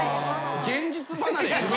現実離れ。